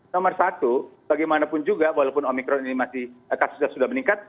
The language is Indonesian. nomor satu bagaimanapun juga walaupun omikron ini masih kasusnya sudah meningkat